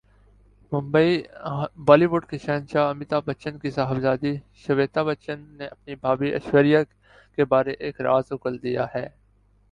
ممبئی بالی would کے شہنشاہ امیتابھبچن کی صاحبزادی شویتا بچن نے اپنی بھابھی ایشوریا کے بارے ایک راز اگل دیا ہے